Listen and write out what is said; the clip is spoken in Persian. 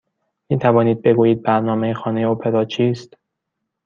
می توانید بگویید برنامه خانه اپرا چیست؟